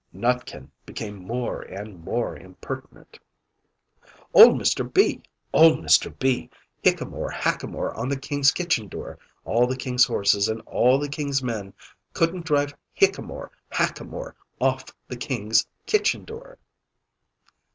Nutkin became more and more impertinent "Old Mr. B! Old Mr. B! Hickamore, Hackamore, on the King's kitchen door; All the King's horses, and all the King's men, Couldn't drive Hickamore, Hackamore, Off the King's kitchen door!"